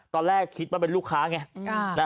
ตอนแรกคิดว่าเป็นลูกค้าไง